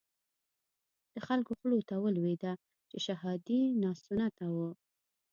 د خلکو خولو ته ولويده چې شهادي ناسنته وو.